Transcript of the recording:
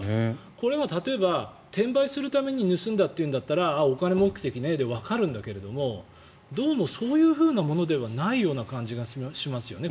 これが例えば、転売するために盗んだというんだったらお金目的ねでわかるんだけどどうも、そういうものではないような感じがしますよね